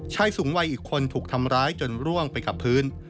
ชายสูงวัยอีกคนถูกทำร้ายจนร่วงไปกับพื้น